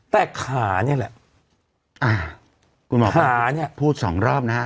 แต่ขานี่แหละอ่าคุณหมอขาเนี่ยพูดสองรอบนะฮะ